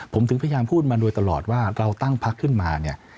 ผมถึงพยายามพูดมาโดยตลอดว่าเราตั้งพักขึ้นมาเนี่ย